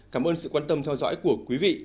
cảm ơn sự quan tâm theo dõi của quý vị